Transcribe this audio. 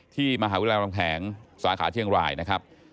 มหาวิทยาลำแหงสาขาเชียงรายนะครับ